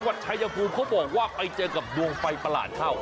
ชายภูมิเขาบอกว่าไปเจอกับดวงไฟประหลาดเข้า